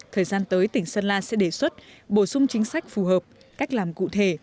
thời gian tới tỉnh sơn la sẽ đề xuất bổ sung chính sách phù hợp cách làm cụ thể